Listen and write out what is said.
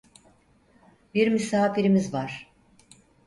Bir misafirimiz var.